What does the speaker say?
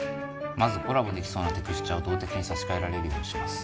まずコラボできそうなテクスチャを動的に差し替えられるようにします